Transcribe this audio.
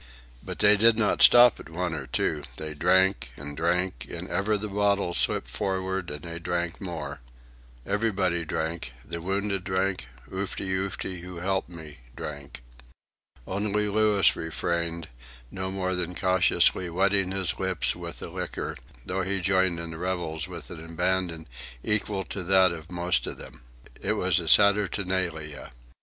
But they did not stop at one or two. They drank and drank, and ever the bottles slipped forward and they drank more. Everybody drank; the wounded drank; Oofty Oofty, who helped me, drank. Only Louis refrained, no more than cautiously wetting his lips with the liquor, though he joined in the revels with an abandon equal to that of most of them. It was a saturnalia.